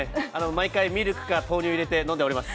毎回、ミルクか豆乳入れて飲んでおります。